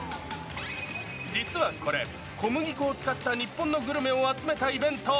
実はこれ、小麦粉を使った日本のグルメを集めたイベント。